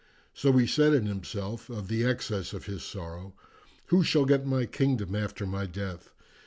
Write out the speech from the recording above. So he said in himself, of the excess of his sorrow, 'Who shall get my kingdom after my death?